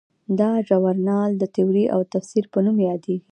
دا ژورنال د تیورۍ او تفسیر په نوم هم یادیږي.